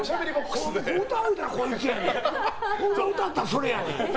歌ったらそれやねん。